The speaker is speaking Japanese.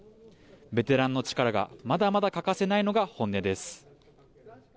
ベテランの力がまだまだ欠かせないのが本音です。